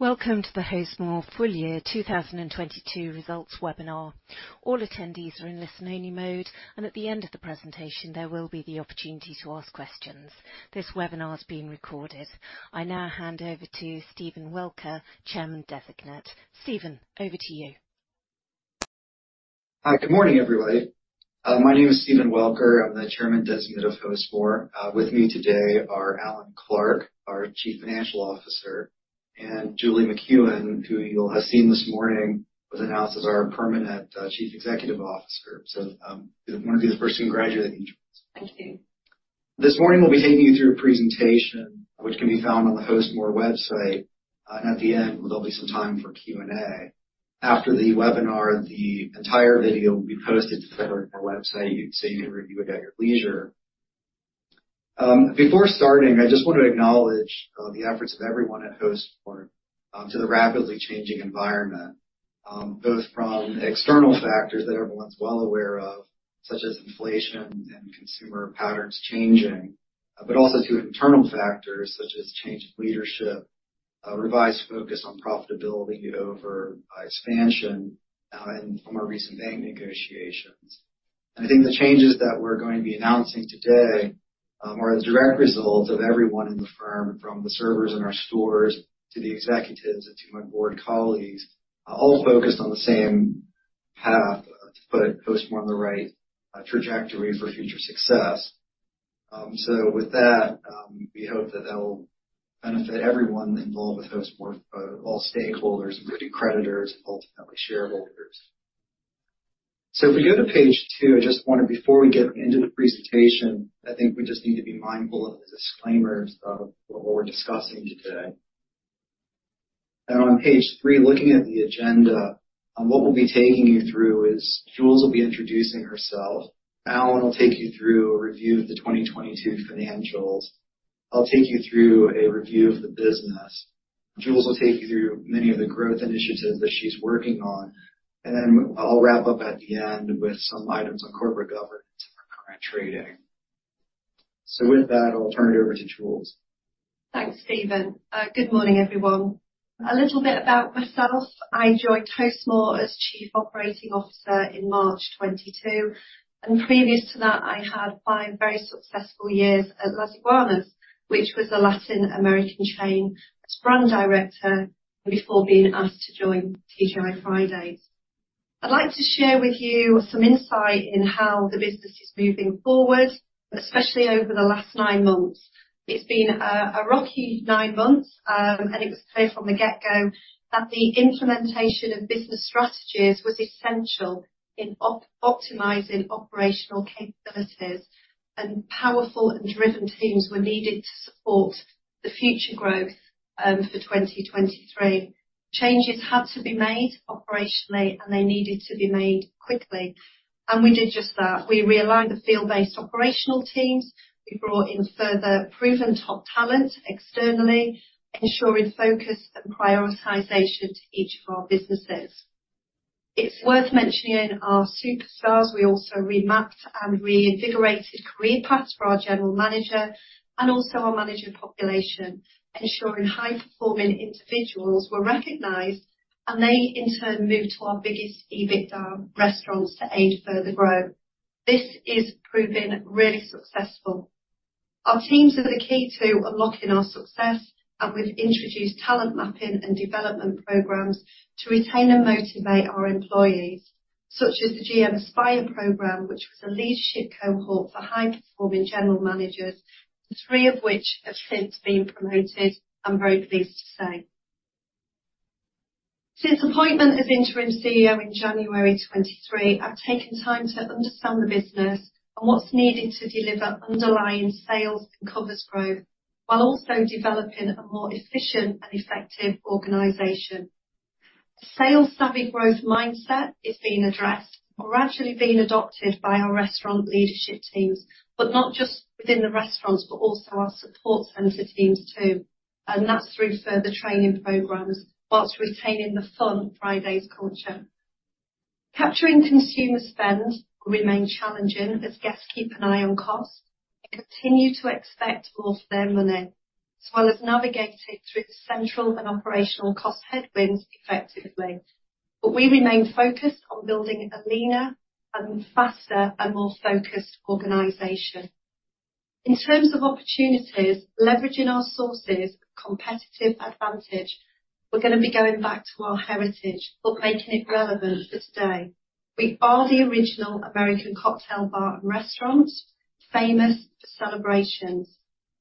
Welcome to the Hostmore full year 2022 results webinar. All attendees are in listen-only mode. At the end of the presentation, there will be the opportunity to ask questions. This webinar is being recorded. I now hand over to Stephen Welker, Chairman Designate. Stephen, over to you. Hi, good morning, everybody. My name is Stephen Welker. I'm the Chairman Designate of Hostmore. With me today are Alan Clark, our Chief Financial Officer, and Julie McEwan, who you'll have seen this morning, was announced as our permanent Chief Executive Officer. I want to be the first to congratulate each of you. Thank you. This morning we'll be taking you through a presentation which can be found on the Hostmore website, and at the end, there'll be some time for Q&A. After the webinar, the entire video will be posted to the Hostmore website so you can review it at your leisure. Before starting, I just want to acknowledge the efforts of everyone at Hostmore, to the rapidly changing environment, both from external factors that everyone's well aware of, such as inflation and consumer patterns changing, but also to internal factors such as change in leadership, a revised focus on profitability over expansion, and from our recent bank negotiations. I think the changes that we're going to be announcing today are a direct result of everyone in the firm, from the servers in our stores to the executives and to my board colleagues, all focused on the same path to put Hostmore on the right trajectory for future success. With that, we hope that that will benefit everyone involved with Hostmore, all stakeholders, including creditors, ultimately shareholders. If we go to page two, I just wanted, before we get into the presentation, I think we just need to be mindful of the disclaimers of what we're discussing today. Now on page three, looking at the agenda, on what we'll be taking you through is Julie will be introducing herself. Alan will take you through a review of the 2022 financials. I'll take you through a review of the business. Julie will take you through many of the growth initiatives that she's working on, and then I'll wrap up at the end with some items on corporate governance and current trading. With that, I'll turn it over to Julie. Thanks, Stephen. Good morning, everyone. A little bit about myself. I joined Hostmore as Chief Operating Officer in March 2022. Previous to that, I had five very successful years at Las Iguanas, which was a Latin American chain as brand director before being asked to join TGI Fridays. I'd like to share with you some insight in how the business is moving forward, especially over the last nine months. It's been a rocky nine months. It was clear from the get-go that the implementation of business strategies was essential in optimizing operational capabilities, and powerful and driven teams were needed to support the future growth for 2023. Changes had to be made operationally, and they needed to be made quickly, and we did just that. We realigned the field-based operational teams. We brought in further proven top talent externally, ensuring focus and prioritization to each of our businesses. It's worth mentioning our superstars. We also remapped and reinvigorated career paths for our general manager and also our manager population, ensuring high-performing individuals were recognized and they in turn moved to our biggest EBITDA restaurants to aid further growth. This is proving really successful. Our teams are the key to unlocking our success, and we've introduced talent mapping and development programs to retain and motivate our employees, such as the GM Aspire program, which was a leadership cohort for high-performing general managers, three of which have since been promoted, I'm very pleased to say. Since appointment as interim CEO in January 2023, I've taken time to understand the business and what's needed to deliver underlying sales and covers growth while also developing a more efficient and effective organization. A sales-savvy growth mindset is being addressed and gradually being adopted by our restaurant leadership teams, but not just within the restaurants, but also our support center teams too, and that's through further training programs while retaining the fun Fridays culture. Capturing consumer spend will remain challenging as guests keep an eye on cost and continue to expect more for their money, as well as navigating through the central and operational cost headwinds effectively. We remain focused on building a leaner and faster and more focused organization. In terms of opportunities, leveraging our sources competitive advantage, we're going to be going back to our heritage, but making it relevant for today. We are the original American cocktail bar and restaurant famous for celebrations,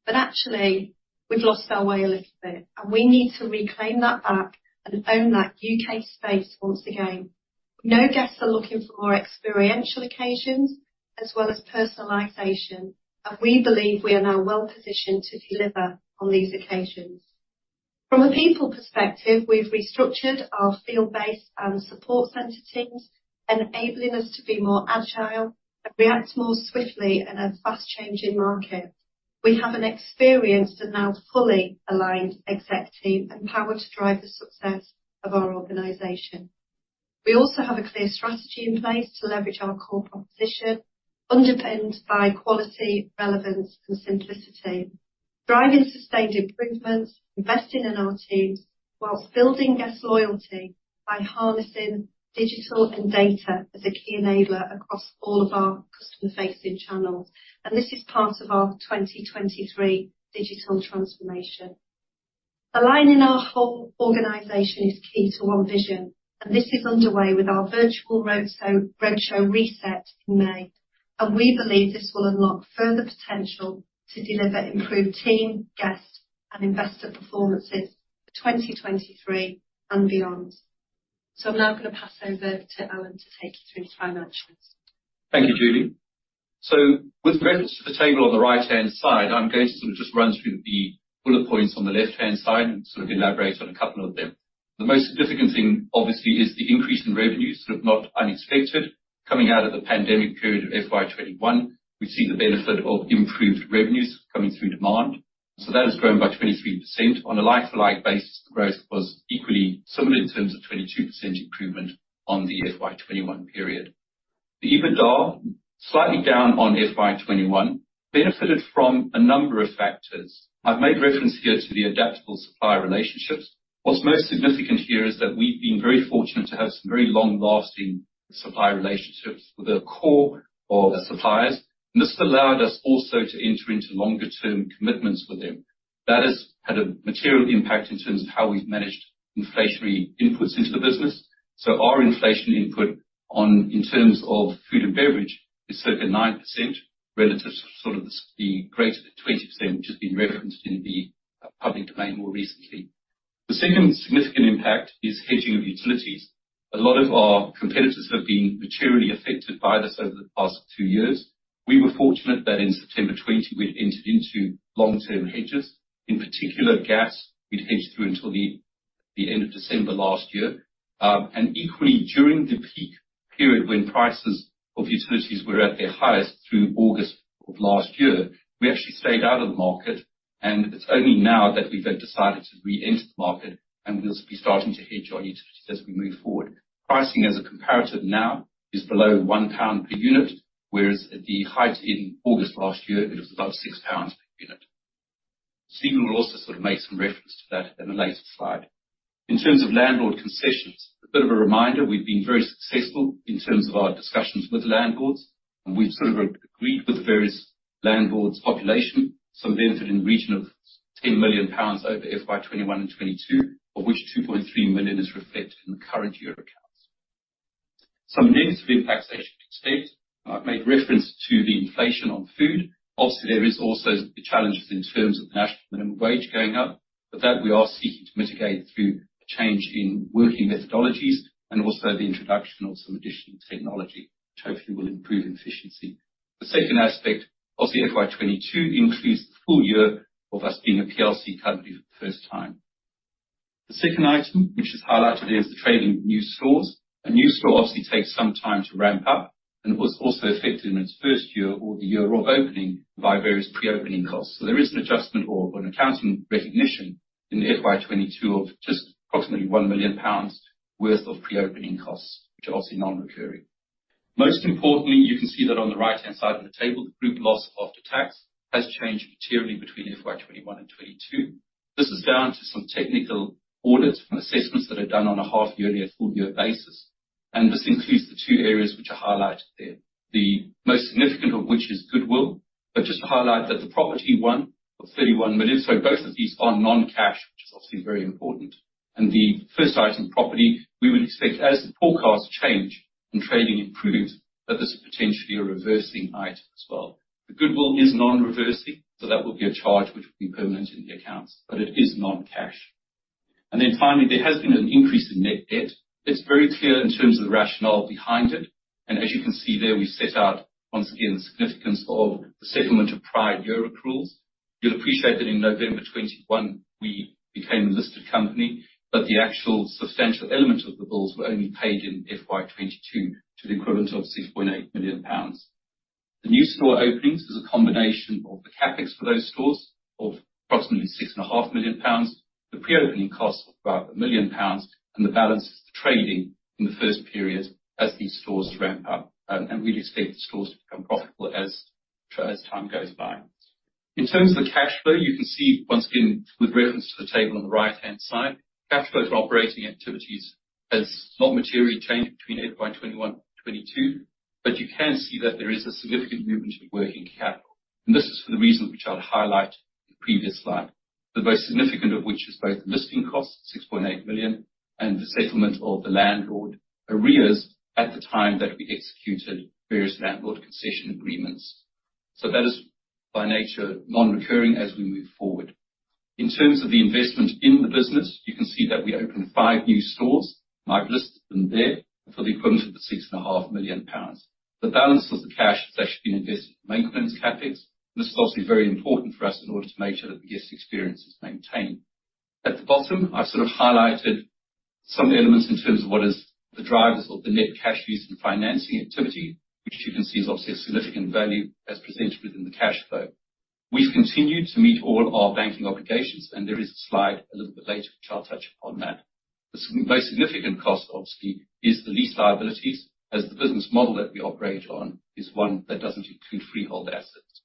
but actually, we've lost our way a little bit, and we need to reclaim that back and own that U.K. space once again. We know guests are looking for more experiential occasions as well as personalization, and we believe we are now well positioned to deliver on these occasions. From a people perspective, we've restructured our field-based and support center teams, enabling us to be more agile and react more swiftly in a fast-changing market. We have an experienced and now fully aligned exec team empowered to drive the success of our organization. We also have a clear strategy in place to leverage our core proposition, underpinned by quality, relevance, and simplicity, driving sustained improvements, investing in our teams, while building guest loyalty by harnessing digital and data as a key enabler across all of our customer-facing channels. This is part of our 2023 digital transformation. Aligning our whole organization is key to our vision, and this is underway with our virtual roadshow reset in May. We believe this will unlock further potential to deliver improved team, guest, and investor performances for 2023 and beyond. I'm now going to pass over to Alan to take you through the financials. Thank you, Julie. With reference to the table on the right-hand side, I'm going to sort of just run through the bullet points on the left-hand side and sort of elaborate on a couple of them. The most significant thing obviously is the increase in revenues, sort of not unexpected. Coming out of the pandemic period of FY 21, we see the benefit of improved revenues coming through demand. That has grown by 23%. On a like-for-like basis, growth was equally similar in terms of 22% improvement on the FY 21 period. The EBITDA, slightly down on FY 21, benefited from a number of factors. I've made reference here to the adaptable supplier relationships. What's most significant here is that we've been very fortunate to have some very long-lasting supplier relationships with our core of suppliers. This allowed us also to enter into longer-term commitments with them. That has had a material impact in terms of how we've managed inflationary inputs into the business. Our inflation input in terms of food and beverage is circa 9% relative to sort of the greater 20% which has been referenced in the public domain more recently. The second significant impact is hedging of utilities. A lot of our competitors have been materially affected by this over the past two years. We were fortunate that in September 2020, we'd entered into long-term hedges. In particular, gas, we'd hedged through until the end of December last year. Equally, during the peak period when prices of utilities were at their highest through August of last year, we actually stayed out of the market, and it's only now that we've then decided to re-enter the market, and we'll be starting to hedge our utilities as we move forward. Pricing as a comparative now is below 1 pound per unit, whereas at the height in August last year, it was above 6 pounds per unit. Stephen will also sort of make some reference to that in a later slide. In terms of landlord concessions, a bit of a reminder, we've been very successful in terms of our discussions with the landlords, we've sort of agreed with the various landlords' population, they entered in the region of 10 million pounds over FY 2021 and 2022, of which 2.3 million is reflected in the current year accounts. Some negative impacts I should state, I've made reference to the inflation on food. Obviously, there is also the challenges in terms of national minimum wage going up, that we are seeking to mitigate through a change in working methodologies and also the introduction of some additional technology, which hopefully will improve efficiency. The second aspect, obviously FY 2022 includes the full year of us being a PLC company for the first time. The second item, which is highlighted, is the trading of new stores. A new store obviously takes some time to ramp up, and it was also affected in its first year or the year of opening by various pre-opening costs. There is an adjustment or an accounting recognition in FY 2022 of just approximately 1 million pounds worth of pre-opening costs, which are obviously non-recurring. Most importantly, you can see that on the right-hand side of the table, the group loss after tax has changed materially between FY 2021 and 2022. This is down to some technical audits and assessments that are done on a half-yearly and full-year basis. This includes the two areas which are highlighted there. The most significant of which is goodwill. Just to highlight that the property one of 31 million, so both of these are non-cash, which is obviously very important. The first item, property, we would expect as the forecasts change and trading improves, that this is potentially a reversing item as well. The goodwill is non-reversing, so that will be a charge which will be permanent in the accounts, but it is non-cash. Finally, there has been an increase in net debt. It's very clear in terms of the rationale behind it. As you can see there, we set out, once again, the significance of the settlement of prior year accruals. You'll appreciate that in November 2021, we became a listed company, but the actual substantial element of the bills were only paid in FY 2022 to the equivalent of 6.8 million pounds. The new store openings is a combination of the CapEx for those stores of approximately six and a half million pounds, the pre-opening costs of about 1 million pounds, and the balance is the trading in the first period as these stores ramp up. We expect the stores to become profitable as time goes by. In terms of the cash flow, you can see once again, with reference to the table on the right-hand side, cash flows from operating activities has not materially changed between FY 2021 and 2022, but you can see that there is a significant movement of working capital. This is for the reasons which I'd highlighted in the previous slide. The most significant of which is both the listing costs, 6.8 million, and the settlement of the landlord arrears at the time that we executed various landlord concession agreements. That is by nature non-recurring as we move forward. In terms of the investment in the business, you can see that we opened 5 new stores, I've listed them there, for the equivalent of 6.5 million pounds. The balance of the cash has actually been invested in maintenance CapEx, and this is obviously very important for us in order to make sure that the guest experience is maintained. At the bottom, I've sort of highlighted some elements in terms of what is the drivers of the net cash used in financing activity, which you can see is obviously a significant value as presented within the cash flow. We've continued to meet all our banking obligations, and there is a slide a little bit later which I'll touch upon that. The most significant cost, obviously, is the lease liabilities, as the business model that we operate on is one that doesn't include freehold assets.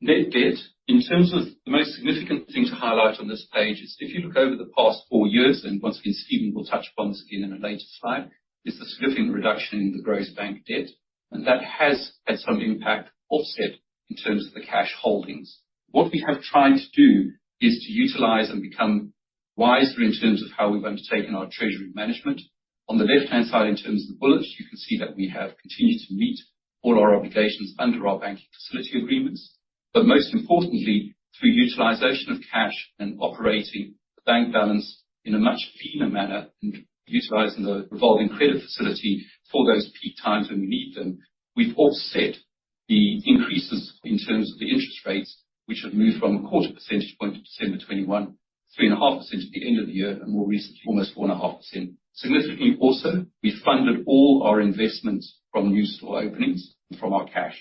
Net debt. In terms of the most significant thing to highlight on this page is if you look over the past four years, once again, Stephen will touch upon this again in a later slide, there's a significant reduction in the gross bank debt. That has had some impact offset in terms of the cash holdings. What we have tried to do is to utilize and become wiser in terms of how we're going to take in our treasury management. On the left-hand side, in terms of the bullets, you can see that we have continued to meet all our obligations under our banking facility agreements. Most importantly, through utilization of cash and operating the bank balance in a much leaner manner and utilizing the revolving credit facility for those peak times when we need them, we've offset the increases in terms of the interest rates, which have moved from a quarter percentage point of December 2021, 3.5% at the end of the year, and more recently, almost 4.5%. Significantly also, we funded all our investments from new store openings from our cash.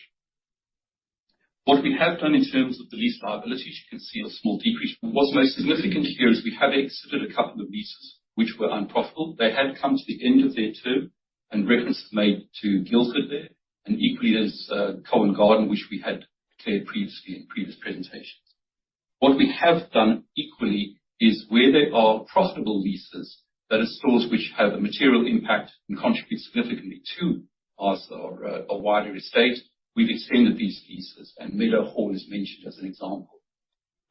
What we have done in terms of the lease liabilities, you can see a small decrease. What's most significant here is we have exited a couple of leases which were unprofitable. They had come to the end of their term and reference is made to Guildford there, and equally, there's Covent Garden, which we had declared previously in previous presentations. What we have done equally is where there are profitable leases that are stores which have a material impact and contribute significantly to us or, a wider estate, we've extended these leases, and Meadowhall is mentioned as an example.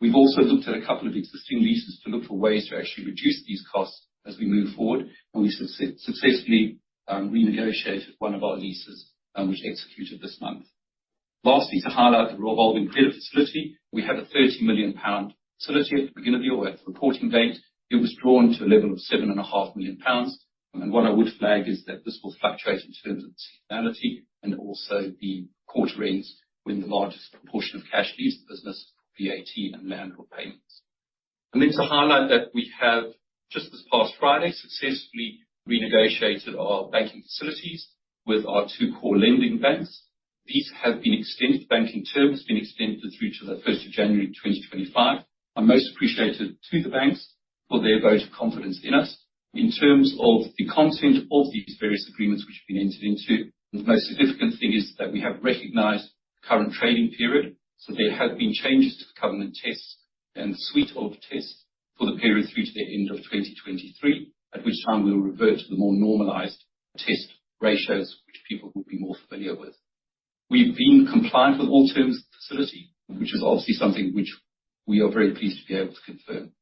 We've also looked at a couple of existing leases to look for ways to actually reduce these costs as we move forward, and we successfully renegotiated one of our leases, which executed this month. Lastly, to highlight the revolving credit facility, we had a 30 million pound facility at the beginning of the year. At the reporting date, it was drawn to a level of seven and a half million pounds. What I would flag is that this will fluctuate in terms of the seasonality and also the quarter ends when the largest proportion of cash leaves the business for VAT and landlord payments. To highlight that we have, just this past Friday, successfully renegotiated our banking facilities with our two core lending banks. These have been extended. The banking term has been extended through to the first of January 2025. Are most appreciated to the banks for their vote of confidence in us. In terms of the content of these various agreements which have been entered into, the most significant thing is that we have recognized the current trading period, so there have been changes to the covenant tests and the suite of tests for the period through to the end of 2023, at which time we will revert to the more normalized test ratios which people will be more familiar with. We've been compliant with all terms of the facility, which is obviously something which we are very pleased to be able to confirm.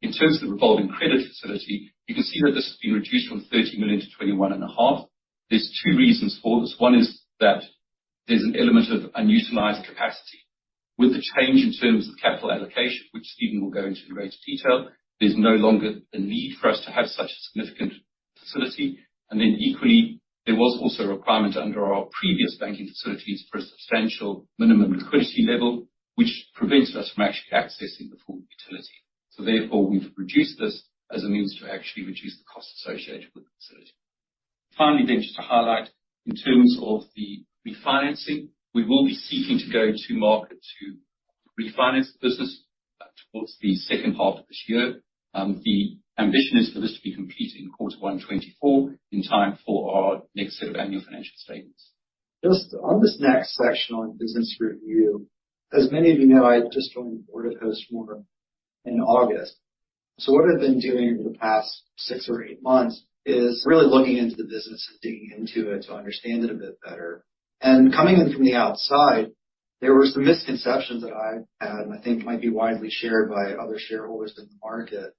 In terms of the revolving credit facility, you can see that this has been reduced for 30 million-21.5 million. There's two reasons for this. One is that there's an element of unutilized capacity. With the change in terms of capital allocation, which Stephen will go into in greater detail, there's no longer a need for us to have such a significant facility. Equally, there was also a requirement under our previous banking facilities for a substantial minimum liquidity level, which prevents us from actually accessing the full facility. Therefore, we've reduced this as a means to actually reduce the cost associated with the facility. Finally, just to highlight, in terms of the refinancing, we will be seeking to go to market to refinance the business towards the second half of this year. The ambition is for this to be completed in quarter one 2024 in time for our next set of annual financial statements. Just on this next section on business review, as many of you know, I just joined the board of Hostmore in August. What I've been doing over the past six or eight months is really looking into the business and digging into it to understand it a bit better. Coming in from the outside, there were some misconceptions that I had and I think might be widely shared by other shareholders in the market.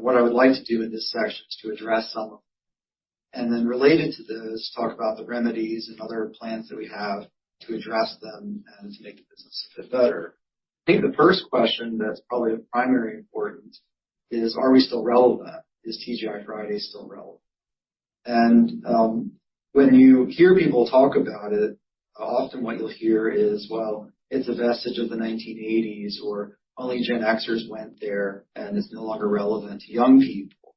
What I would like to do in this section is to address some of them. Then related to this, talk about the remedies and other plans that we have to address them and to make the business a bit better. I think the first question that's probably of primary importance is are we still relevant? Is TGI Fridays still relevant? When you hear people talk about it, often what you'll hear is, "Well, it's a vestige of the 1980s," or, "Only Gen Xers went there, and it's no longer relevant to young people."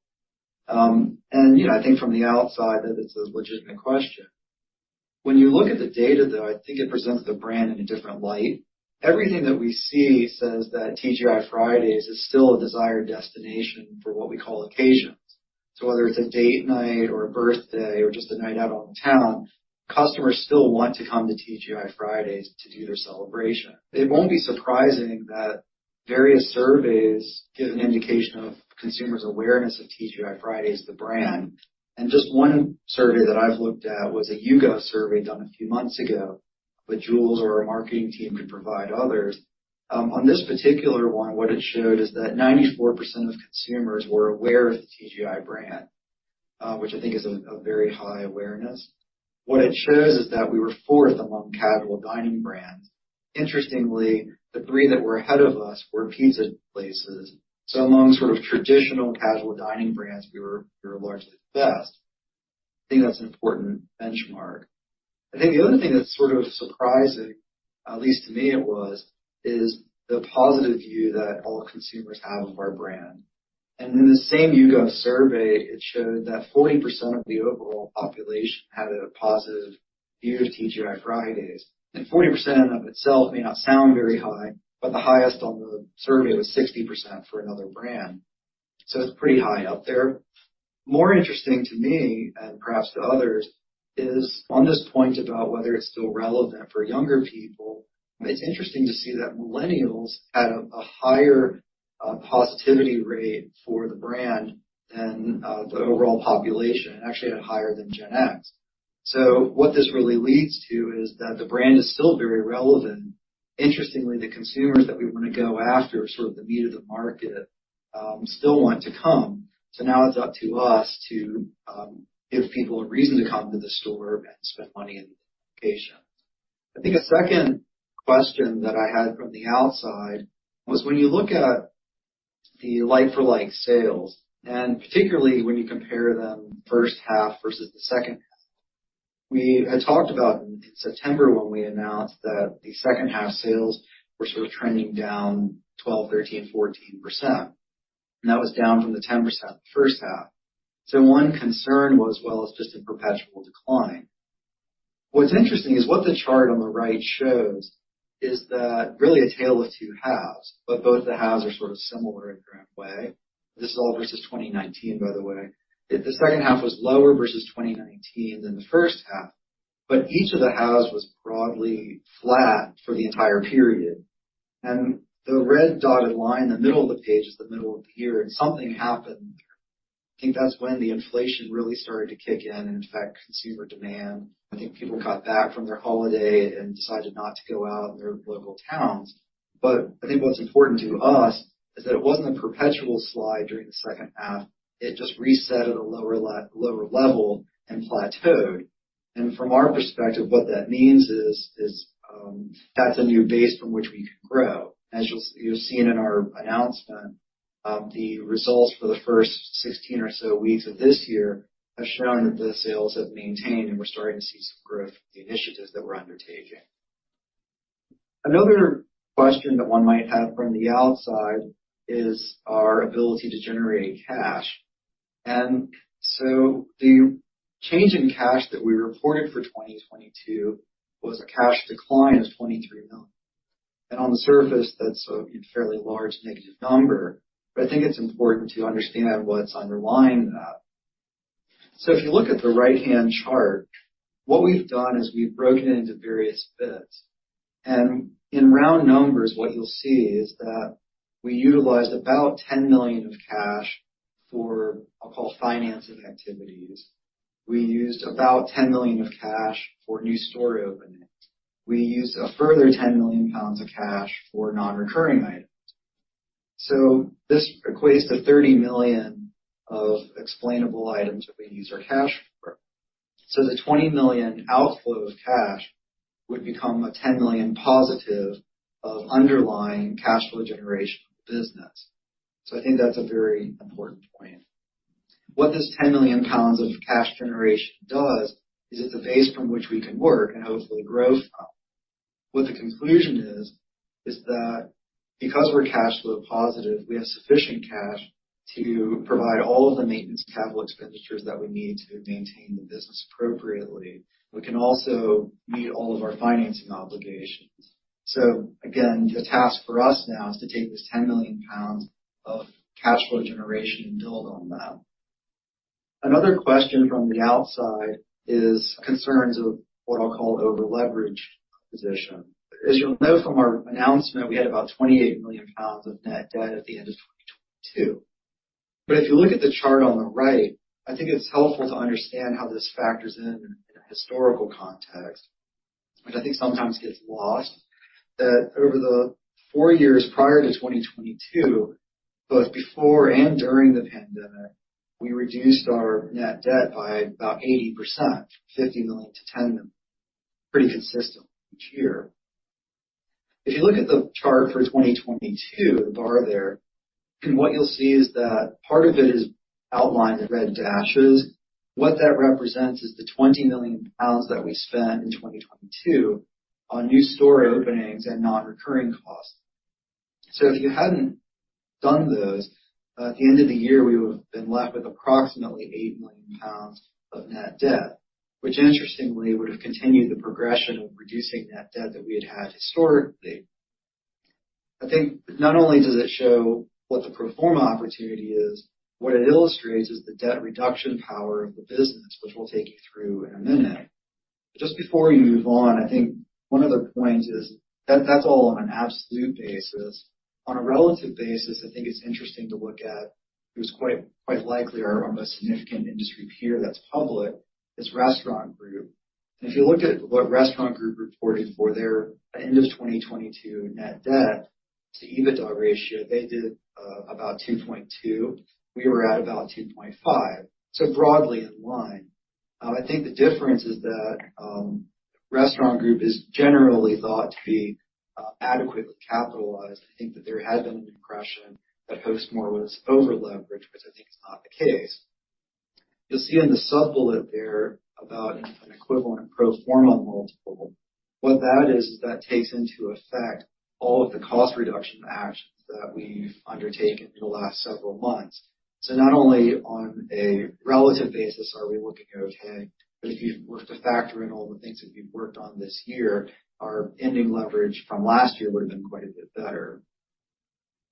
You know, I think from the outside that this is a legitimate question. When you look at the data, though, I think it presents the brand in a different light. Everything that we see says that TGI Fridays is still a desired destination for what we call occasions. Whether it's a date night or a birthday or just a night out on the town, customers still want to come to TGI Fridays to do their celebration. It won't be surprising that various surveys give an indication of consumers' awareness of TGI Fridays the brand. Just one survey that I've looked at was a YouGov survey done a few months ago. Julie or our marketing team could provide others. On this particular one, what it showed is that 94% of consumers were aware of the TGI brand, which I think is a very high awareness. What it shows is that we were 4th among casual dining brands. Interestingly, the three that were ahead of us were pizza places. Among sort of traditional casual dining brands, we were largely the best. I think that's an important benchmark. I think the other thing that's sort of surprising, at least to me it was, is the positive view that all consumers have of our brand. And in the same YouGov survey, it showed that 40% of the overall population had a positive view of TGI Fridays. 40% of itself may not sound very high, but the highest on the survey was 60% for another brand. It's pretty high up there. More interesting to me, and perhaps to others, is on this point about whether it's still relevant for younger people. It's interesting to see that millennials had a higher positivity rate for the brand than the overall population, and actually had higher than Gen X. What this really leads to is that the brand is still very relevant. Interestingly, the consumers that we want to go after, sort of the meat of the market, still want to come. Now it's up to us to give people a reason to come to the store and spend money in the location. I think a second question that I had from the outside was when you look at the like-for-like sales, and particularly when you compare them first half versus the second half. We had talked about in September when we announced that the second half sales were sort of trending down 12%, 13%, 14%. That was down from the 10% the first half. One concern was, well, it's just a perpetual decline. What's interesting is what the chart on the right shows is that really a tale of two halves, but both the halves are sort of similar in a different way. This is all versus 2019, by the way. The second half was lower versus 2019 than the first half, but each of the halves was broadly flat for the entire period. The red dotted line in the middle of the page is the middle of the year, something happened. I think that's when the inflation really started to kick in and affect consumer demand. I think people got back from their holiday and decided not to go out in their local towns. I think what's important to us is that it wasn't a perpetual slide during the second half. It just reset at a lower level and plateaued. From our perspective, what that means is, that's a new base from which we can grow. As you'll have seen in our announcement, the results for the first 16 or so weeks of this year have shown that the sales have maintained, and we're starting to see some growth, the initiatives that we're undertaking. Another question that one might have from the outside is our ability to generate cash. The change in cash that we reported for 2022 was a cash decline 23 million. On the surface, that's a fairly large negative number. I think it's important to understand what's underlying that. If you look at the right-hand chart, what we've done is we've broken it into various bits. In round numbers, what you'll see is that we utilized about 10 million of cash for, I'll call financing activities. We used about 10 million of cash for new store openings. We used a further 10 million of cash for non-recurring items. This equates to 30 million of explainable items that we use our cash for. The 20 million outflow of cash would become a 10 million positive of underlying cash flow generation business. I think that's a very important point. What this 10 million pounds of cash generation does is it's a base from which we can work and hopefully grow from. What the conclusion is that because we're cash flow positive, we have sufficient cash to provide all of the maintenance capital expenditures that we need to maintain the business appropriately. We can also meet all of our financing obligations. Again, the task for us now is to take this 10 million pounds of cash flow generation and build on that. Another question from the outside is concerns of what I'll call over-leverage position. As you'll know from our announcement, we had about 28 million pounds of net debt at the end of 2022. If you look at the chart on the right, I think it's helpful to understand how this factors in a historical context, which I think sometimes gets lost, that over the 4 years prior to 2022, both before and during the pandemic, we reduced our net debt by about 80%, 50 million-10 million. Pretty consistent each year. If you look at the chart for 2022, the bar there, and what you'll see is that part of it is outlined in red dashes. What that represents is the 20 million pounds that we spent in 2022 on new store openings and non-recurring costs. If you hadn't done those, by the end of the year, we would have been left with approximately 8 million pounds of net debt, which interestingly, would have continued the progression of reducing net debt that we had had historically. I think not only does it show what the pro forma opportunity is, what it illustrates is the debt reduction power of the business, which we'll take you through in a minute. Just before you move on, I think one other point is that's all on an absolute basis. On a relative basis, I think it's interesting to look at who's quite likely our most significant industry peer that's public is Restaurant Group. If you look at what Restaurant Group reported for their end of 2022 net debt to EBITDA ratio, they did about 2.2. We were at about 2.5. Broadly in line. I think the difference is that The Restaurant Group is generally thought to be adequately capitalized. I think that there had been an impression that Hostmore was over-leveraged, which I think is not the case. You'll see in the sub-bullet there about an equivalent pro forma multiple. What that is that takes into effect all of the cost reduction actions that we've undertaken in the last several months. Not only on a relative basis are we looking okay, but if you were to factor in all the things that we've worked on this year, our ending leverage from last year would have been quite a bit better.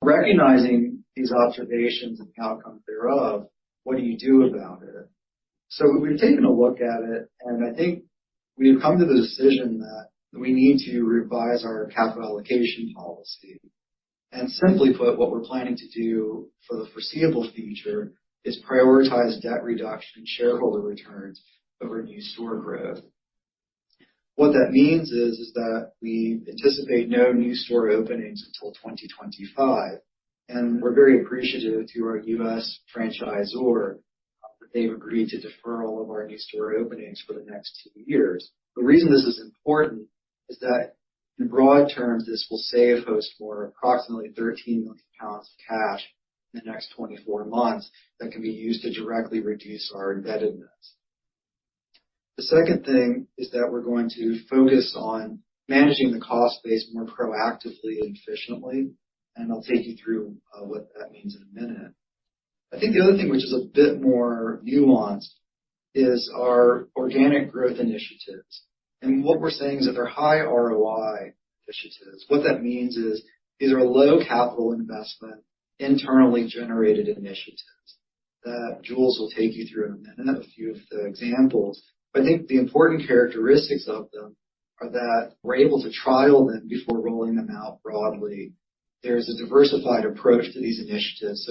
Recognizing these observations and the outcomes thereof, what do you do about it? We've taken a look at it, and I think we've come to the decision that we need to revise our capital allocation policy. Simply put, what we're planning to do for the foreseeable future is prioritize debt reduction and shareholder returns over new store growth. What that means is that we anticipate no new store openings until 2025, and we're very appreciative to our U.S. franchisor that they've agreed to defer all of our new store openings for the next two years. The reason this is important is that in broad terms, this will save Hostmore approximately 13 million pounds of cash in the next 24 months that can be used to directly reduce our indebtedness. The second thing is that we're going to focus on managing the cost base more proactively and efficiently, and I'll take you through what that means in a minute. I think the other thing which is a bit more nuanced is our organic growth initiatives. What we're saying is that they're high ROI initiatives. What that means is these are low capital investment, internally generated initiatives that Julie will take you through in a minute, a few of the examples. I think the important characteristics of them are that we're able to trial them before rolling them out broadly. There's a diversified approach to these initiatives.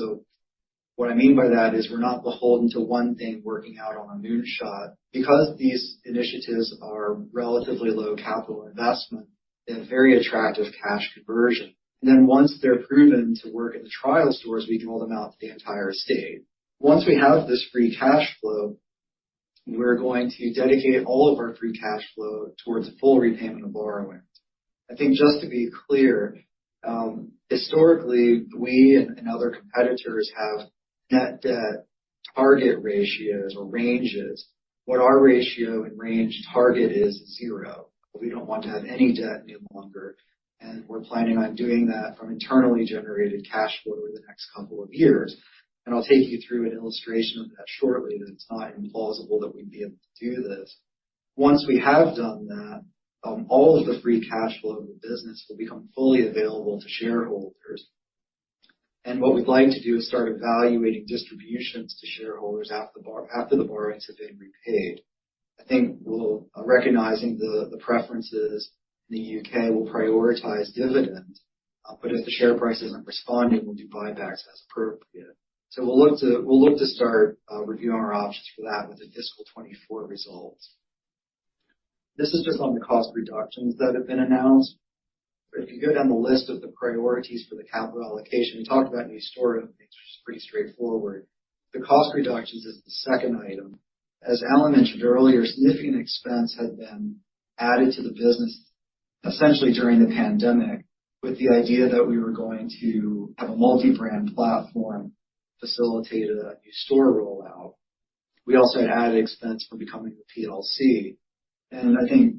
What I mean by that is we're not beholden to one thing working out on a moonshot. Because these initiatives are relatively low capital investment, they have very attractive cash conversion. Then once they're proven to work in the trial stores, we can roll them out to the entire estate. Once we have this free cash flow, we're going to dedicate all of our free cash flow towards the full repayment of borrowings. I think just to be clear, historically, we and other competitors have net debt target ratios or ranges. What our ratio and range target is zero. We don't want to have any debt any longer, we're planning on doing that from internally generated cash flow over the next couple of years. I'll take you through an illustration of that shortly that it's not implausible that we'd be able to do this. Once we have done that, all of the free cash flow of the business will become fully available to shareholders. What we'd like to do is start evaluating distributions to shareholders after the borrowings have been repaid. I think we'll, recognizing the preferences in the U.K., we'll prioritize dividend, but if the share price isn't responding, we'll do buybacks as appropriate. We'll look to start reviewing our options for that with the fiscal 2024 results. This is just on the cost reductions that have been announced. If you go down the list of the priorities for the capital allocation, we talked about new store openings, which is pretty straightforward. The cost reductions is the second item. As Alan mentioned earlier, significant expense had been added to the business essentially during the pandemic with the idea that we were going to have a multi-brand platform facilitate a new store rollout. We also had added expense from becoming a PLC. I think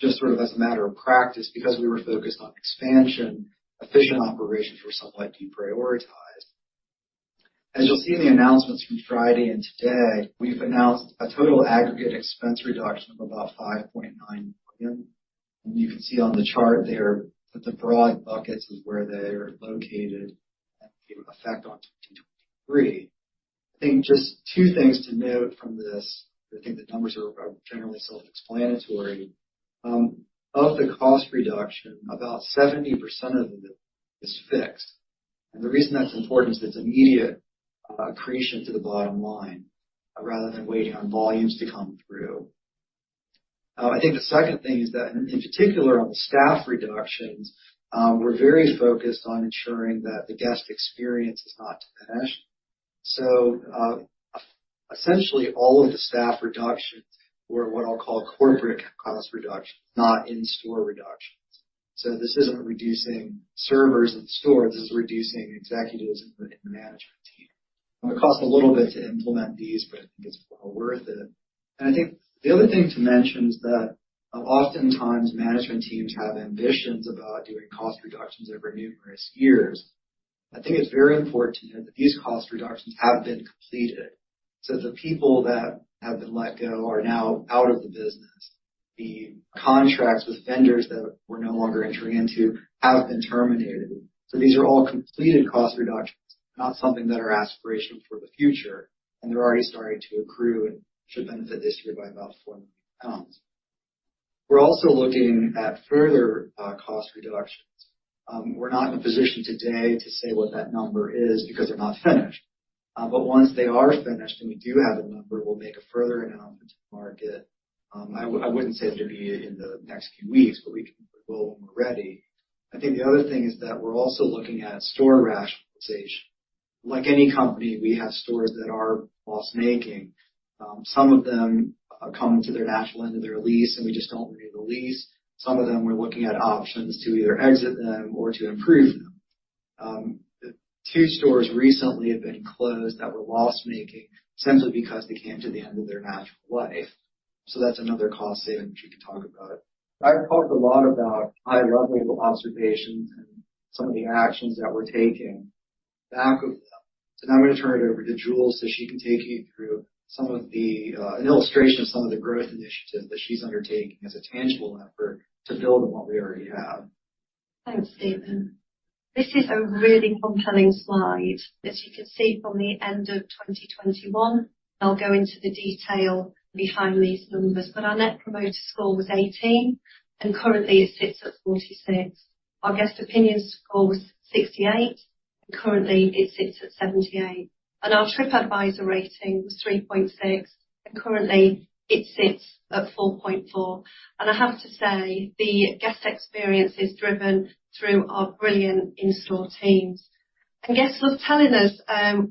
just sort of as a matter of practice, because we were focused on expansion, efficient operations were somewhat deprioritized. As you'll see in the announcements from Friday and today, we've announced a total aggregate expense reduction of about 5.9 million. You can see on the chart there that the broad buckets is where they are located and the effect on 2023. I think just two things to note from this. I think the numbers are generally self-explanatory. Of the cost reduction, about 70% of it is fixed. The reason that's important is it's immediate accretion to the bottom line rather than waiting on volumes to come through. I think the second thing is that in particular on the staff reductions, we're very focused on ensuring that the guest experience is not diminished. Essentially all of the staff reductions were what I'll call corporate cost reductions, not in-store reductions. This isn't reducing servers in stores, this is reducing executives in the management team. It costs a little bit to implement these, but I think it's well worth it. I think the other thing to mention is that oftentimes management teams have ambitions about doing cost reductions over numerous years. I think it's very important to note that these cost reductions have been completed. The people that have been let go are now out of the business. The contracts with vendors that we're no longer entering into have been terminated. These are all completed cost reductions, not something that are aspirational for the future, and they're already starting to accrue and should benefit this year by about 4 million pounds. We're also looking at further cost reductions. We're not in a position today to say what that number is because they're not finished. Once they are finished and we do have a number, we'll make a further announcement to the market. I wouldn't say it'd be in the next few weeks, but we will when we're ready. I think the other thing is that we're also looking at store rationalization. Like any company, we have stores that are loss-making. Some of them come to their natural end of their lease, and we just don't renew the lease. Some of them, we're looking at options to either exit them or to improve them. The two stores recently have been closed that were loss-making simply because they came to the end of their natural life. That's another cost saving which we can talk about. I've talked a lot about high level observations and some of the actions that we're taking back with them. Now I'm going to turn it over to Julie so she can take you through some of the an illustration of some of the growth initiatives that she's undertaking as a tangible effort to build on what we already have. Thanks, Stephen. This is a really compelling slide that you can see from the end of 2021. I'll go into the detail behind these numbers, but our Net Promoter Score was 18, and currently it sits at 46. Our Guest Opinion Score was 68, and currently it sits at 78. Our TripAdvisor rating was 3.6, and currently it sits at 4.4. I have to say, the guest experience is driven through our brilliant in-store teams. Guests are telling us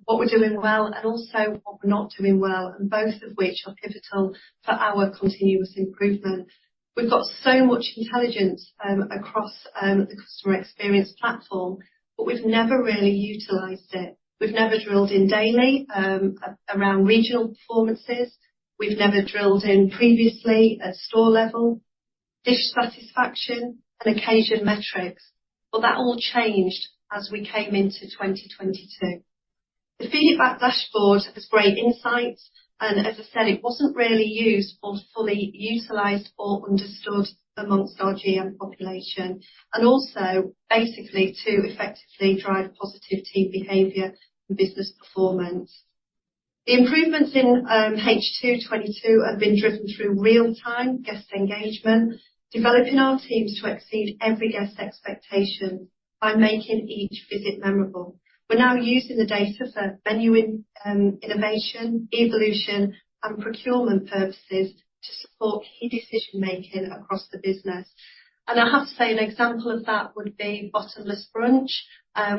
what we're doing well and also what we're not doing well, and both of which are pivotal for our continuous improvement. We've got so much intelligence across the customer experience platform, but we've never really utilized it. We've never drilled in daily around regional performances. We've never drilled in previously at store level, dish satisfaction and occasion metrics. That all changed as we came into 2022. The feedback dashboard has great insights, and as I said, it wasn't really used or fully utilized or understood amongst our GM population, and also basically to effectively drive positive team behavior and business performance. The improvements in H2 2022 have been driven through real-time guest engagement, developing our teams to exceed every guest expectation by making each visit memorable. We're now using the data for venue in innovation, evolution, and procurement purposes to support key decision making across the business. I have to say an example of that would be bottomless brunch.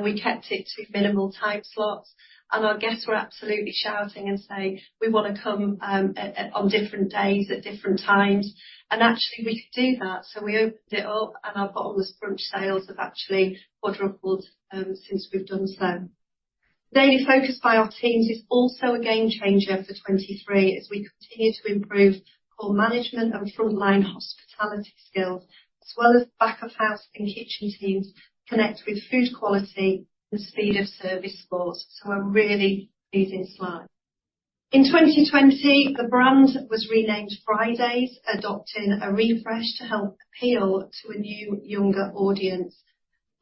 We kept it to minimal time slots, our guests were absolutely shouting and saying, "We want to come on different days at different times." Actually we could do that, so we opened it up, our bottomless brunch sales have actually quadrupled since we've done so. Daily focus by our teams is also a game changer for 2023 as we continue to improve call management and frontline hospitality skills, as well as back of house and kitchen teams connect with food quality and speed of service scores. A really pleasing slide. In 2020, the brand was renamed Fridays, adopting a refresh to help appeal to a new younger audience.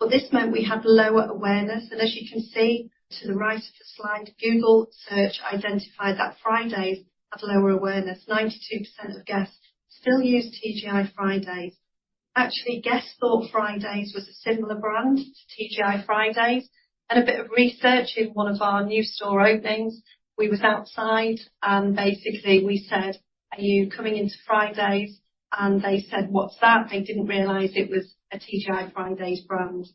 This meant we had lower awareness. As you can see to the right of the slide, Google search identified that Fridays had lower awareness. 92% of guests still use TGI Fridays. Actually, guests thought Fridays was a similar brand to TGI Fridays. A bit of research in one of our new store openings, we was outside and basically we said, "Are you coming into Fridays?" And they said, "What's that?" They didn't realize it was a TGI Fridays brand.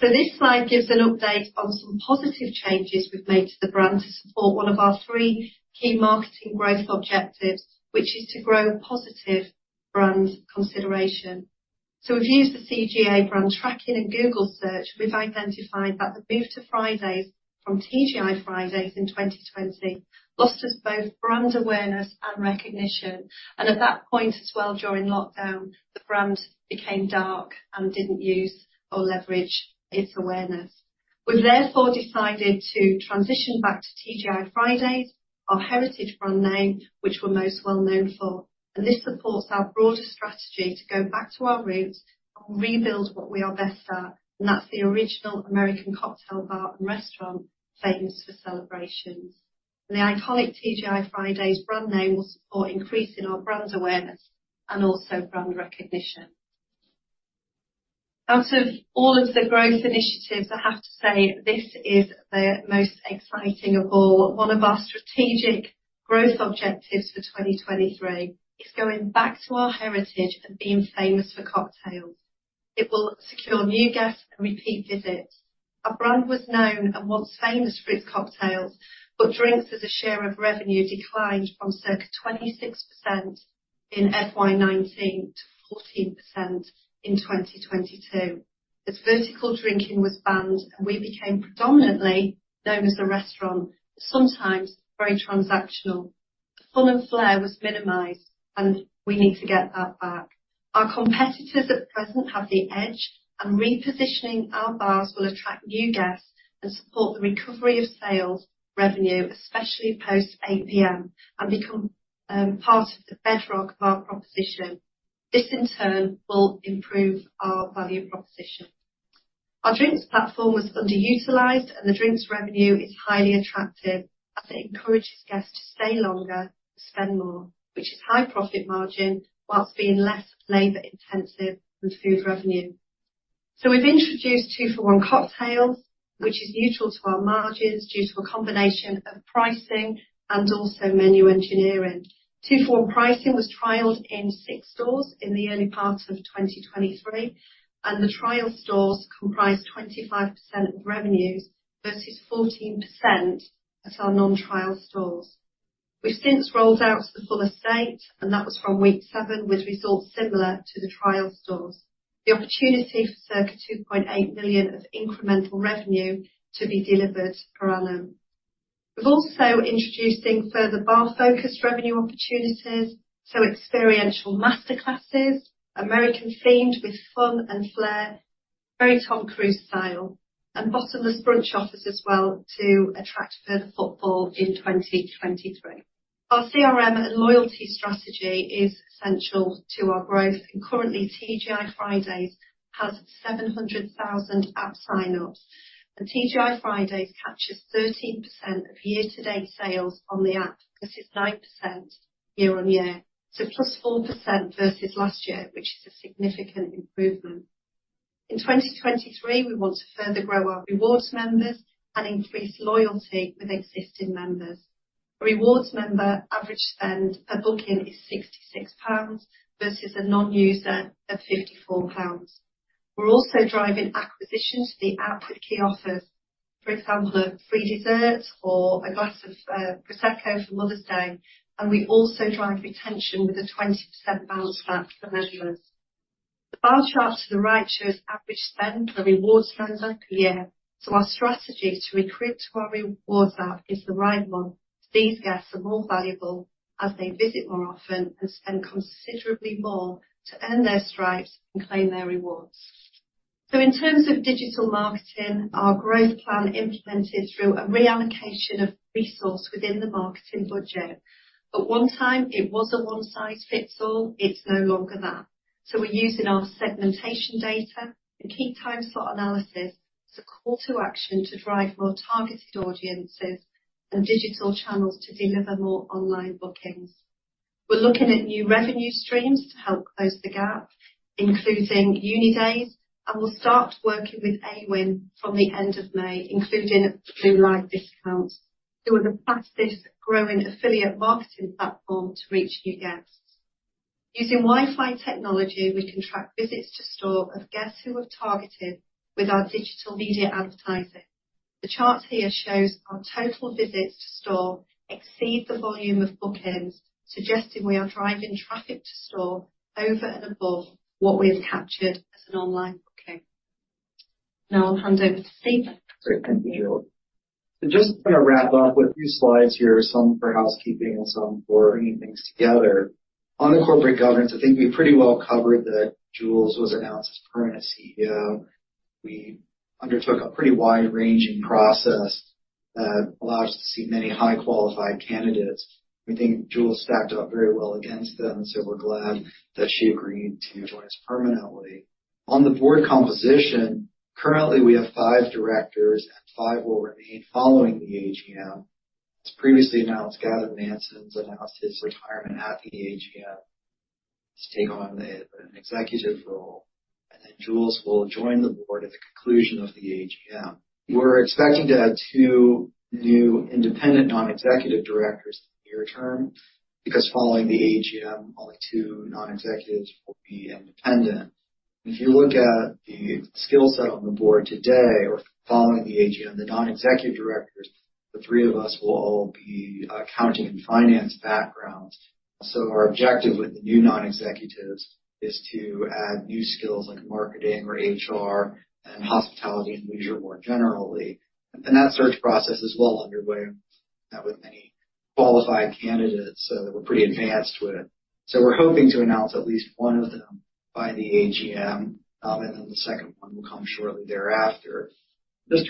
This slide gives an update on some positive changes we've made to the brand to support one of our three key marketing growth objectives, which is to grow positive brand consideration. We've used the CGA brand tracking and Google search. We've identified that the move to Fridays from TGI Fridays in 2020 lost us both brand awareness and recognition. At that point as well during lockdown, the brand became dark and didn't use or leverage its awareness. We've therefore decided to transition back to TGI Fridays, our heritage brand name, which we're most well known for. This supports our broader strategy to go back to our roots and rebuild what we are best at, and that's the original American cocktail bar and restaurant famous for celebrations. The iconic TGI Fridays brand name will support increase in our brand awareness and also brand recognition. Out of all of the growth initiatives, I have to say this is the most exciting of all. One of our strategic growth objectives for 2023 is going back to our heritage and being famous for cocktails. It will secure new guests and repeat visits. Our brand was known and once famous for its cocktails, but drinks as a share of revenue declined from circa 26% in FY19 to 14% in 2022. Vertical drinking was banned, and we became predominantly known as a restaurant, sometimes very transactional. The fun and flair was minimized, and we need to get that back. Our competitors at present have the edge. Repositioning our bars will attract new guests and support the recovery of sales revenue, especially post 8:00 P.M., and become part of the bedrock of our proposition. This in turn will improve our value proposition. Our drinks platform was underutilized. The drinks revenue is highly attractive as it encourages guests to stay longer and spend more, which is high profit margin whilst being less labor intensive than food revenue. We've introduced 2-for-1 cocktails, which is neutral to our margins due to a combination of pricing and also menu engineering. Two-for-one pricing was trialed in 6 stores in the early part of 2023. The trial stores comprised 25% of revenues versus 14% at our non-trial stores. We've since rolled out to the full estate. That was from week 7, with results similar to the trial stores. The opportunity for circa 2.8 million of incremental revenue to be delivered per annum. We're also introducing further bar-focused revenue opportunities, so experiential master classes, American themed with fun and flair, very Tom Cruise style. bottomless brunch offers as well to attract further footfall in 2023. Our CRM and loyalty strategy is essential to our growth. Currently TGI Fridays has 700,000 app sign-ups. TGI Fridays captures 13% of year-to-date sales on the app versus 9% year-on-year, so +4% versus last year, which is a significant improvement. In 2023, we want to further grow our rewards members and increase loyalty with existing members. A rewards member average spend per booking is 66 pounds versus a non-user of 54 pounds. We're also driving acquisition to the app with key offers, for example, a free dessert or a glass of prosecco for Mother's Day, and we also drive retention with a 20% bounce back for members. The bar chart to the right shows average spend per rewards member per year. Our strategy to recruit to our rewards app is the right one. These guests are more valuable as they visit more often and spend considerably more to earn their stripes and claim their rewards. In terms of digital marketing, our growth plan implemented through a reallocation of resource within the marketing budget. At one time it was a one size fits all. It's no longer that. We're using our segmentation data and key time slot analysis as a call to action to drive more targeted audiences and digital channels to deliver more online bookings. We're looking at new revenue streams to help close the gap, including UNiDAYS, and we'll start working with Awin from the end of May, including Blue Light Card, who are the fastest growing affiliate marketing platform to reach new guests. Using Wi-Fi technology, we can track visits to store of guests who we're targeting with our digital media advertising. The chart here shows our total visits to store exceed the volume of bookings, suggesting we are driving traffic to store over and above what we have captured as an online booking. I'll hand over to Stephen. Great. Thank you. Just going to wrap up with a few slides here, some for housekeeping and some for bringing things together. On the corporate governance, I think we pretty well covered that Julie was announced as permanent CEO. We undertook a pretty wide-ranging process that allowed us to see many high qualified candidates. We think Julie stacked up very well against them, so we're glad that she agreed to join us permanently. On the board composition, currently we have five directors, and five will remain following the AGM. As previously announced, Gavin Manson's announced his retirement at the AGM to take on an executive role, and then Julie will join the board at the conclusion of the AGM. We're expecting to add two new independent non-executive directors near term because following the AGM only two non-executives will be independent. If you look at the skill set on the board today or following the AGM, the non-executive directors, the three of us will all be accounting and finance backgrounds. Our objective with the new non-executives is to add new skills like marketing or HR and hospitality and leisure more generally. That search process is well underway. Met with many qualified candidates that we're pretty advanced with, so we're hoping to announce at least one of them by the AGM, and then the second one will come shortly thereafter.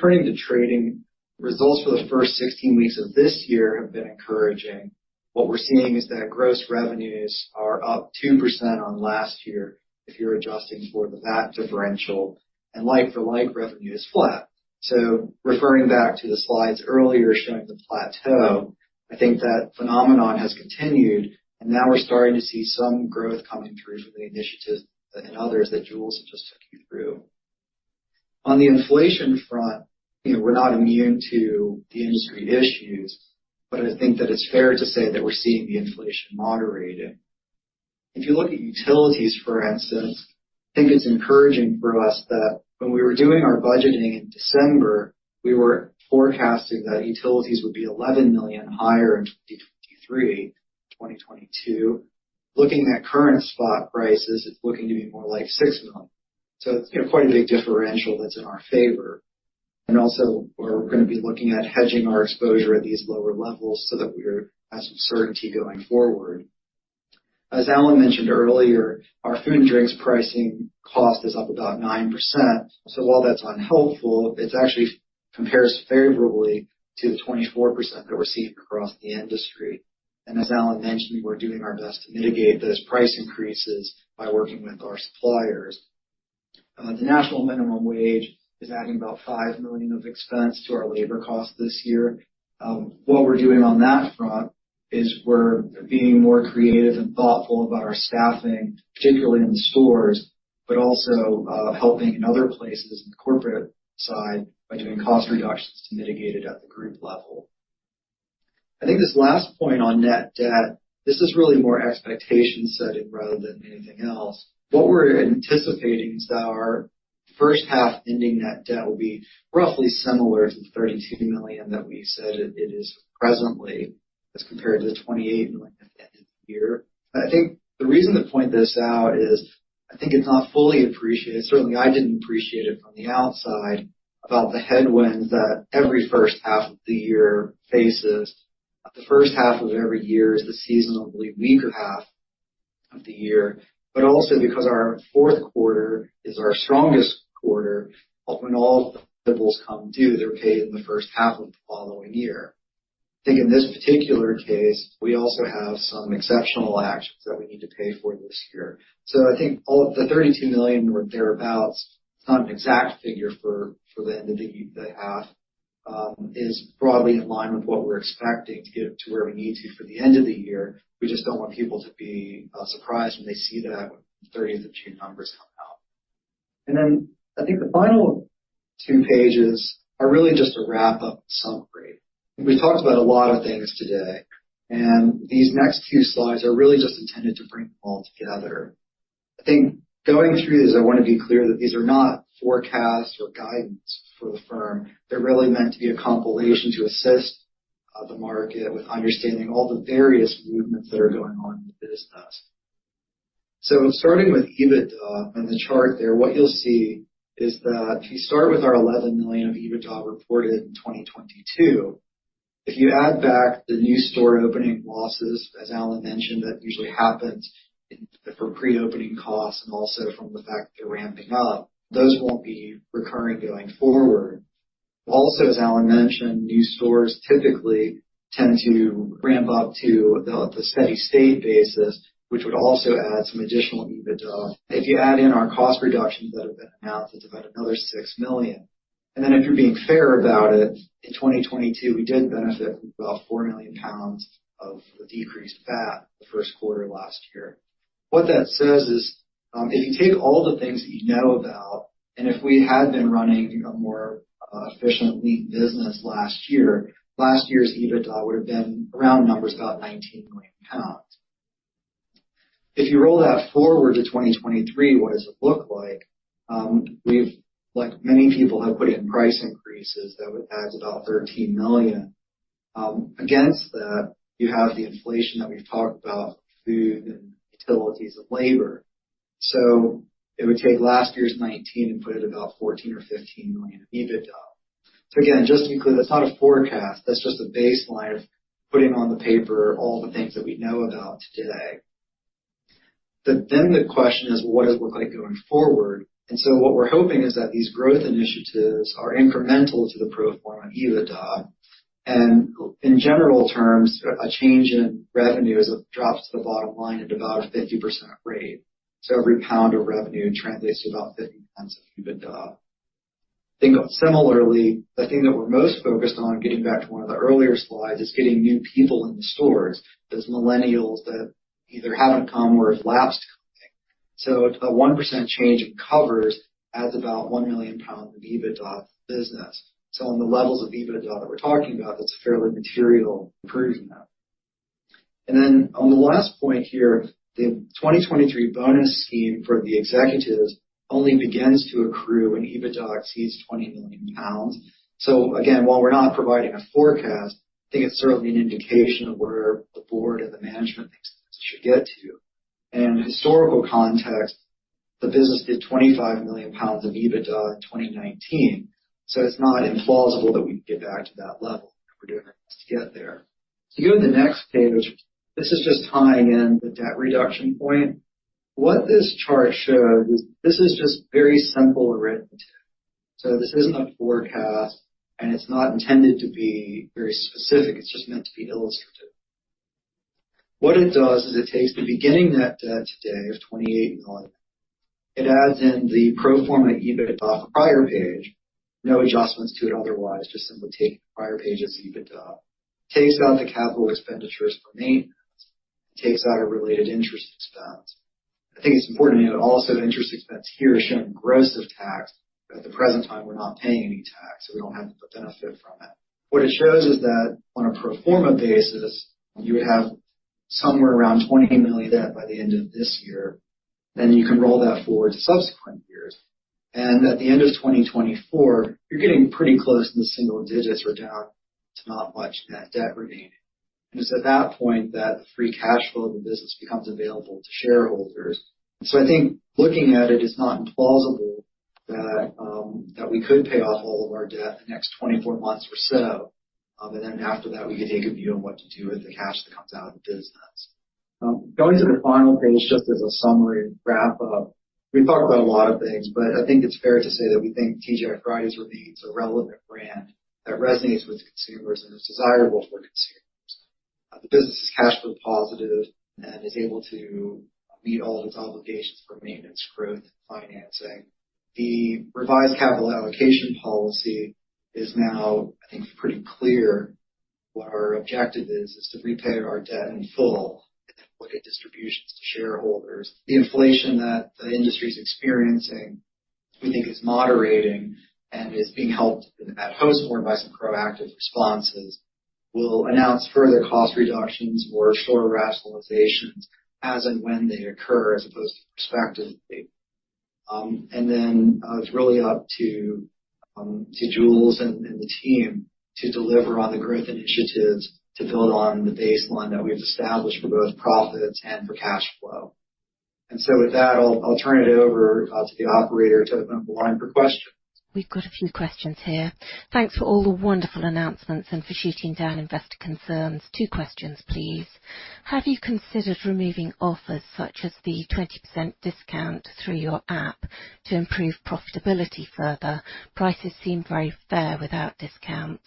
Turning to trading, results for the first 16 weeks of this year have been encouraging. What we're seeing is that gross revenues are up 2% on last year if you're adjusting for the VAT differential, and like-for-like revenue is flat. Referring back to the slides earlier showing the plateau, I think that phenomenon has continued, and now we're starting to see some growth coming through from the initiatives and others that Julie has just took you through. On the inflation front, you know, we're not immune to the industry issues, but I think that it's fair to say that we're seeing the inflation moderated. If you look at utilities, for instance, I think it's encouraging for us that when we were doing our budgeting in December, we were forecasting that utilities would be 11 million higher in 2023 than 2022. Looking at current spot prices, it's looking to be more like 6 million. It's, you know, quite a big differential that's in our favor. Also we're going to be looking at hedging our exposure at these lower levels so that we're, have some certainty going forward. As Alan mentioned earlier, our food and drinks pricing cost is up about 9%. While that's unhelpful, it actually compares favorably to the 24% that we're seeing across the industry. As Alan mentioned, we're doing our best to mitigate those price increases by working with our suppliers. The national minimum wage is adding about 5 million of expense to our labor cost this year. What we're doing on that front is we're being more creative and thoughtful about our staffing, particularly in the stores, but also helping in other places in the corporate side by doing cost reductions to mitigate it at the group level. I think this last point on net debt, this is really more expectation setting rather than anything else. What we're anticipating is that our first half ending net debt will be roughly similar to the 32 million that we said it is presently as compared to the 28 million at the end of the year. I think the reason to point this out is I think it's not fully appreciated. Certainly, I didn't appreciate it from the outside about the headwinds that every first half of the year faces. The first half of every year is the seasonably weaker half of the year, also because our fourth quarter is our strongest quarter when all the come due, they're paid in the first half of the following year. I think in this particular case, we also have some exceptional actions that we need to pay for this year. I think all of the 32 million or thereabout, it's not an exact figure for the end of the half, is broadly in line with what we're expecting to get to where we need to for the end of the year. We just don't want people to be surprised when they see that when the 30 and 32 numbers come out. I think the final two pages are really just a wrap-up summary. We've talked about a lot of things today. These next few slides are really just intended to bring them all together. I think going through this, I want to be clear that these are not forecasts or guidance for the firm. They're really meant to be a compilation to assist the market with understanding all the various movements that are going on in the business. Starting with EBITDA on the chart there, what you'll see is that if you start with our 11 million of EBITDA reported in 2022, if you add back the new store opening losses, as Alan mentioned, that usually happens for pre-opening costs and also from the fact that they're ramping up, those won't be recurring going forward. Also, as Alan mentioned, new stores typically tend to ramp up to about the steady-state basis, which would also add some additional EBITDA. If you add in our cost reductions that have been announced, that's about another 6 million. If you're being fair about it, in 2022, we did benefit from about 4 million pounds of the decreased VAT the first quarter of last year. What that says is, if you take all the things that you know about, if we had been running a more efficient lean business last year, last year's EBITDA would have been around 19 million pounds. If you roll that forward to 2023, what does it look like? We've like many people, have put in price increases that would add about 13 million. Against that, you have the inflation that we've talked about, food and utilities and labor. It would take last year's 19 million and put it about 14 million or 15 million in EBITDA. Again, just to be clear, that's not a forecast. That's just a baseline of putting on the paper all the things that we know about today. The question is, what does it look like going forward? What we're hoping is that these growth initiatives are incremental to the pro forma EBITDA. In general terms, a change in revenue as it drops to the bottom line at about a 50% rate. Every GBP of revenue translates to about 50 of EBITDA. Think of similarly, the thing that we're most focused on, getting back to one of the earlier slides, is getting new people in the stores. Those millennials that either haven't come or have lapsed coming. A 1% change in covers adds about 1 million pounds of EBITDA to the business. On the levels of EBITDA that we're talking about, that's a fairly material improvement. On the last point here, the 2023 bonus scheme for the executives only begins to accrue when EBITDA exceeds 20 million pounds. Again, while we're not providing a forecast, I think it's certainly an indication of where the board and the management thinks it should get to. In historical context, the business did 25 million pounds of EBITDA in 2019. It's not implausible that we can get back to that level. We're doing our best to get there. If you go to the next page, this is just tying in the debt reduction point. What this chart shows is this is just very simple arithmetic. This isn't a forecast, and it's not intended to be very specific. It's just meant to be illustrative. What it does is it takes the beginning net debt today of 28 million. It adds in the pro forma EBITDA from the prior page. No adjustments to it otherwise, just simply take the prior page as EBITDA. Takes out the capital expenditures for maintenance. It takes out a related interest expense. I think it's important to note also the interest expense here is shown gross of tax, but at the present time, we're not paying any tax, so we don't have to put benefit from it. What it shows is that on a pro forma basis, you would have somewhere around 20 million debt by the end of this year. You can roll that forward to subsequent years. At the end of 2024, you're getting pretty close in the single digits. We're down to not much net debt remaining. It's at that point that free cash flow of the business becomes available to shareholders. I think looking at it's not implausible that we could pay off all of our debt the next 24 months or so. Then after that, we can take a view on what to do with the cash that comes out of the business. Going to the final page, just as a summary wrap-up. We've talked about a lot of things, I think it's fair to say that we think TGI Fridays remains a relevant brand that resonates with consumers and is desirable for consumers. The business is cash flow positive and is able to meet all of its obligations for maintenance, growth, financing. The revised capital allocation policy is now, I think, pretty clear what our objective is to repay our debt in full and then look at distributions to shareholders. The inflation that the industry is experiencing, we think is moderating. Is being helped at Hostmore by some proactive responses. We'll announce further cost reductions or store rationalizations as and when they occur as opposed to prospectively. Then, it's really up to Julie and the team to deliver on the growth initiatives to build on the baseline that we've established for both profits and for cash flow. With that, I'll turn it over to the operator to open up the line for questions. We've got a few questions here. Thanks for all the wonderful announcements and for shooting down investor concerns. Two questions, please. Have you considered removing offers such as the 20% discount through your app to improve profitability further? Prices seem very fair without discounts.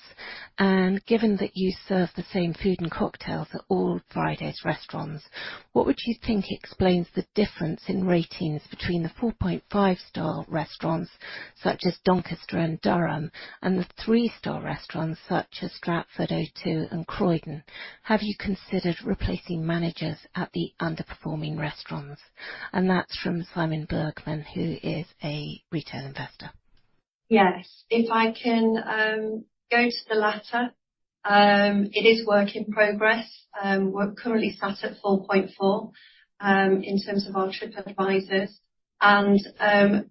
Given that you serve the same food and cocktails at all Fridays restaurants, what would you think explains the difference in ratings between the 4.5-star restaurants, such as Doncaster and Durham, and the 3-star restaurants, such as Stratford, O2, and Croydon? Have you considered replacing managers at the underperforming restaurants? That's from Simon Bergmann, who is a retail investor. Yes. If I can, go to the latter. It is work in progress. We're currently sat at 4.4, in terms of our Tripadvisor.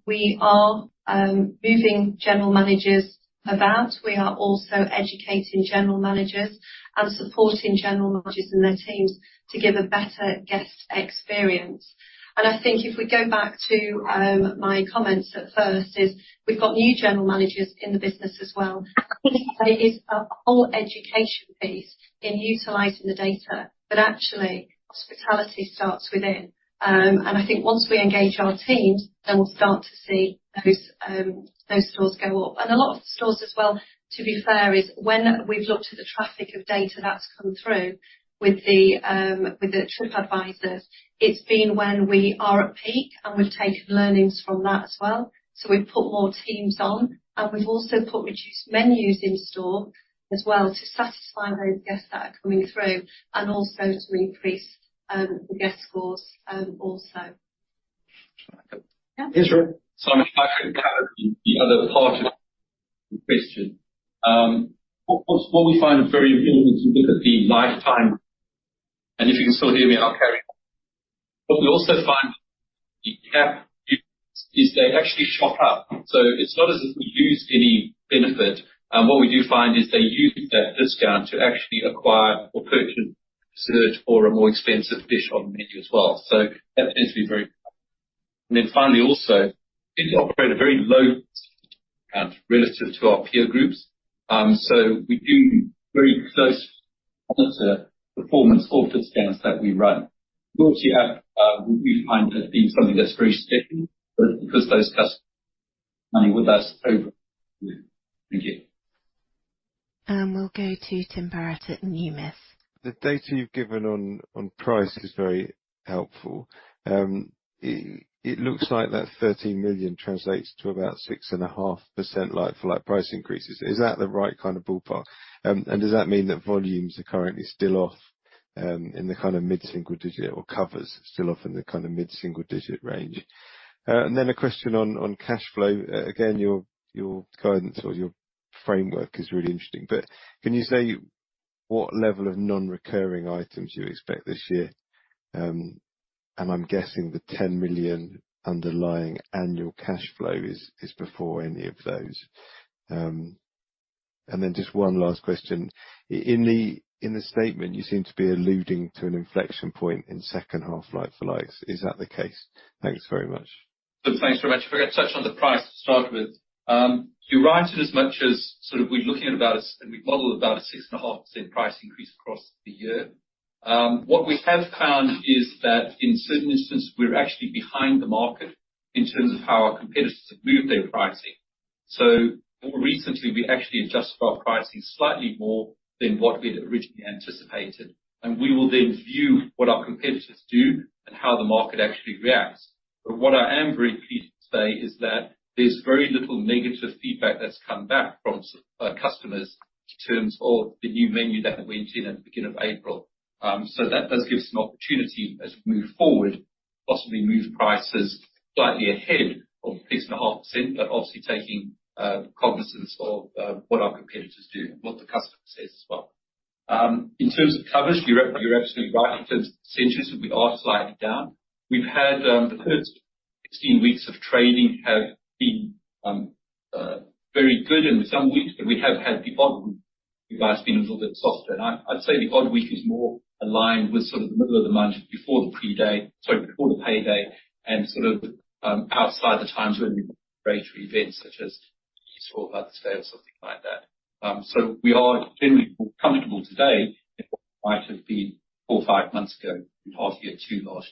We are moving general managers about. We are also educating general managers and supporting general managers and their teams to give a better guest experience. I think if we go back to my comments at first is we've got new general managers in the business as well. It is a whole education piece in utilizing the data. Actually, hospitality starts within. I think once we engage our teams, then we'll start to see those scores go up. A lot of the stores as well, to be fair, is when we've looked at the traffic of data that's come through with the TripAdvisor, it's been when we are at peak, and we've taken learnings from that as well. We've put more teams on, and we've also put reduced menus in store as well to satisfy those guests that are coming through and also to increase the Guest Scores also. Can I come? Yeah. Israel. Simon, if I could gather the other part of the question. What we find very important is to look at the lifetime... If you can still hear me, I'll carry on. What we also find the gap is they actually shop up. It's not as if we use any benefit. What we do find is they use that discount to actually acquire or purchase dessert or a more expensive dish on the menu as well. That tends to be very... Then finally, also, we operate a very low discount relative to our peer groups. So we do very close monitor performance or discounts that we run. Loyalty app, we find has been something that's very sticky because those customers dining with us over. Thank you. We'll go to Tim Barrett at Numis. The data you've given on price is very helpful. It looks like that 13 million translates to about 6.5% like-for-like price increases. Is that the right kind of ballpark? Does that mean that volumes are currently still off, in the kinda mid-single-digit or covers still off in the kinda mid-single-digit range? A question on cash flow. Again, your guidance or your framework is really interesting. Can you say what level of non-recurring items you expect this year? I'm guessing the 10 million underlying annual cash flow is before any of those. Just one last question. In the, in the statement, you seem to be alluding to an inflection point in second half like-for-likes. Is that the case? Thanks very much. Thanks very much. If I could touch on the price to start with. You're right in as much as we're looking at and we've modeled about a 6.5% price increase across the year. What we have found is that in certain instances, we're actually behind the market in terms of how our competitors have moved their pricing. More recently, we actually adjusted our pricing slightly more than what we'd originally anticipated. We will then view what our competitors do and how the market actually reacts. What I am very pleased to say is that there's very little negative feedback that's come back from customers in terms of the new menu that went in at the beginning of April. That does give us an opportunity as we move forward, possibly move prices slightly ahead of the 6.5%, but obviously taking cognizance of what our competitors do and what the customer says as well. In terms of coverage, you're absolutely right. In terms of centuries, we are slightly down. We've had the first 16 weeks of trading have been very good in some weeks, but we have had the odd week where that's been a little bit softer. I'd say the odd week is more aligned with sort of the middle of the month before the payday, and sort of outside the time to any major events such as Easter or Mother's Day or something like that. We are generally more comfortable today than we might have been four or five months ago in half year two last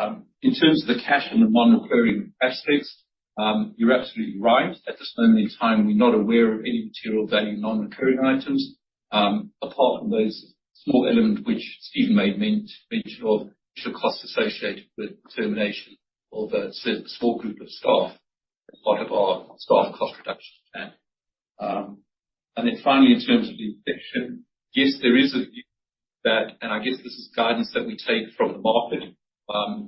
year. In terms of the cash and the non-recurring aspects, you're absolutely right. At this moment in time, we're not aware of any material value non-recurring items, apart from those small elements which Stephen may have mentioned, the costs associated with termination of a small group of staff as part of our staff cost reduction plan. Finally, in terms of the inflection, yes, there is a view that, and I guess this is guidance that we take from the market,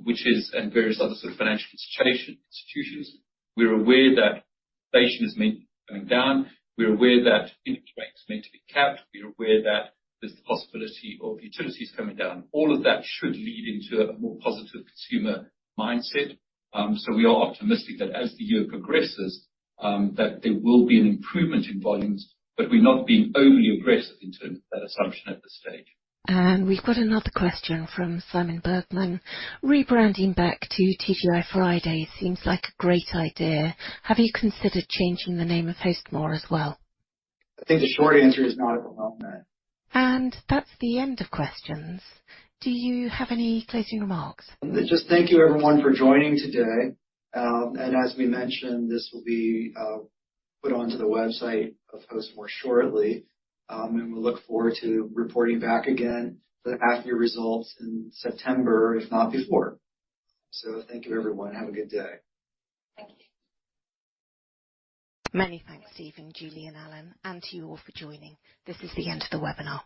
which is and various other sort of financial institutions, we're aware that inflation is meant to be coming down. We're aware that interest rates are meant to be capped. We're aware that there's the possibility of utilities coming down. All of that should lead into a more positive consumer mindset. We are optimistic that as the year progresses, that there will be an improvement in volumes. We're not being overly aggressive in terms of that assumption at this stage. We've got another question from Simon Bergmann. Rebranding back to TGI Fridays seems like a great idea. Have you considered changing the name of Hostmore as well? I think the short answer is not at the moment. That's the end of questions. Do you have any closing remarks? Just thank you everyone for joining today. As we mentioned, this will be put onto the website of Hostmore shortly. We look forward to reporting back again the half year results in September, if not before. Thank you, everyone. Have a good day. Thank you. Many thanks, Stephen, Julie, and Alan, and to you all for joining. This is the end of the webinar.